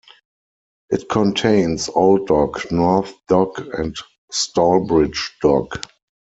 It contains Old Dock, North Dock and Stalbridge Dock.